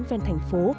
ven thành phố